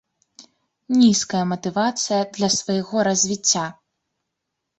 Нізкая матывацыя для свайго развіцця.